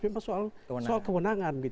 memang soal kebenangan